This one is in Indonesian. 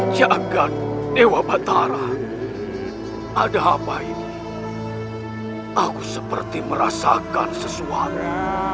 jangankan dewa batara ada apa ini aku seperti merasakan sesuatu